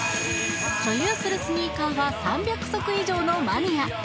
所有するスニーカーが３００足以上のマニア。